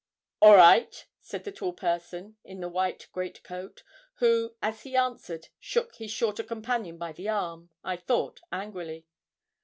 'All right,' said the tall person in the white great coat, who, as he answered, shook his shorter companion by the arm, I thought angrily.